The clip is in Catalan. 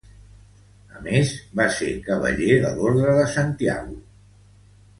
A més, va ser cavaller de l'Orde de Santiago.